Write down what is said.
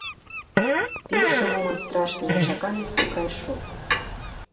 Першы момант страшнай нечаканасці прайшоў.